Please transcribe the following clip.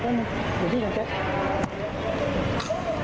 เพราะตอนนี้ก็ไม่มีเวลาให้เข้าไปที่นี่